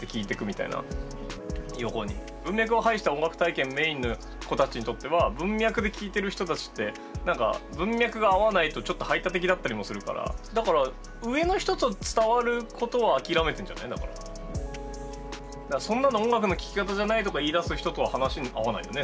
文脈を排した音楽体験メインの子たちにとっては文脈で聴いている人たちって何か文脈が合わないとちょっと排他的だったりもするからだからそんなの音楽の聴き方じゃないとか言いだす人とは話合わないよね